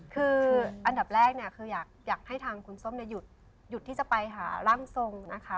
คืออันดับแรกเนี่ยคืออยากให้ทางคุณส้มหยุดที่จะไปหาร่างทรงนะคะ